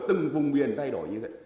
từng vùng biển thay đổi như vậy